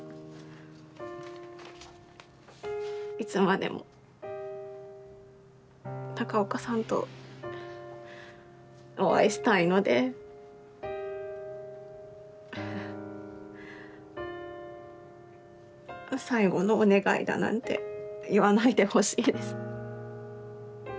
いつまでも中岡さんとお会いしたいので最後のお願いだなんて言わないでほしいです。